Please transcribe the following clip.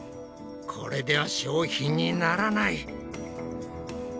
これでは商品にならない。